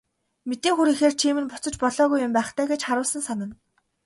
Мэдээ хүргэхээр чи минь буцаж болоогүй юм байх даа гэж харуусан санана.